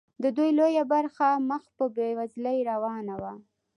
د دوی لویه برخه مخ په بیوزلۍ روانه وه.